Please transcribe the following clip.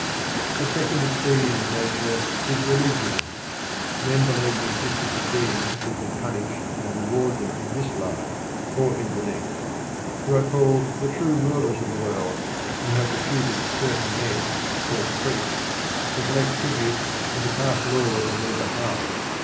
A second expedient of Nature is religion. Men believe in the existence of beings who can punish and reward them in this life or in the next, who are the true rulers of the world, and who have deputed certain men, called priests, to collect tribute and to pass laws on their behalf.